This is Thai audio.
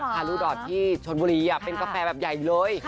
ทารุดอดที่ชนบุรีเป็นกาแฟแบบใหญ่เลย